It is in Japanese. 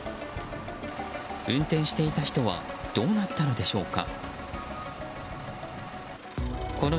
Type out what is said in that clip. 運転していた人はどうなったのでしょうか。